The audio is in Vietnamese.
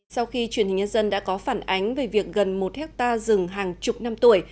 sau khi truyền hình nhân dân đã có phản ánh về việc gần một hectare rừng hàng chục năm tuổi